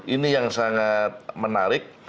ini yang sangat menarik